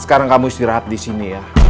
sekarang kamu istirahat disini ya